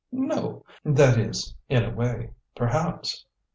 "No! That is, in a way, perhaps.